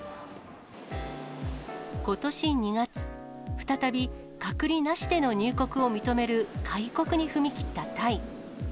ことし２月、再び、隔離なしでの入国を認める開国に踏み切ったタイ。